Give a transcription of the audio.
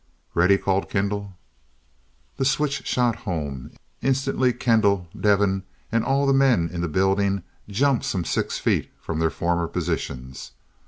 "Ready," called Kendall. The switch shot home. Instantly Kendall, Devin, and all the men in the building jumped some six feet from their former positions.